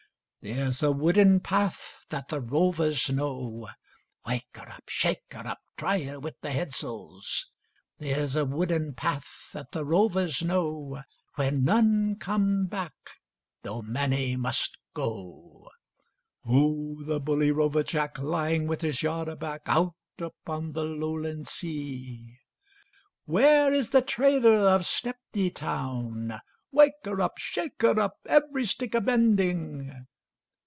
There's a wooden path that the rovers know— Wake her up! Shake her up! Try her with the headsails! There's a wooden path that the rovers know, Where none come back, though many must go: Ho, the bully rover Jack, Lying with his yard aback, Out upon the Lowland sea! Where is the trader of Stepney town?— Wake her up! Shake her up! Every stick a bending!